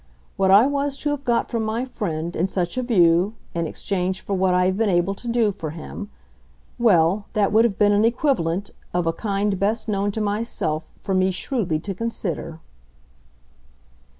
What I was to have got from my friend, in such a view, in exchange for what I had been able to do for him well, that would have been an equivalent, of a kind best known to myself, for me shrewdly to consider."